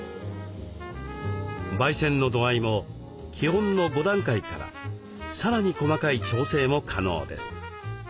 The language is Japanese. ばい煎の度合いも基本の５段階からさらに細かい調整も可能です。